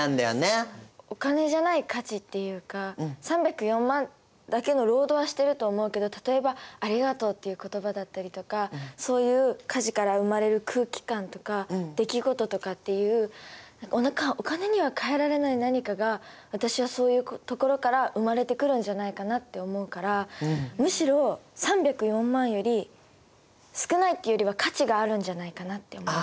お金じゃない価値っていうか３０４万だけの労働はしてると思うけど例えば「ありがとう」っていう言葉だったりとかそういう家事から生まれる空気感とか出来事とかっていうお金にはかえられない何かが私はそういうところから生まれてくるんじゃないかなって思うからむしろ３０４万より少ないっていうよりは価値があるんじゃないかなって思います。